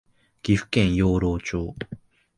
岐阜県養老町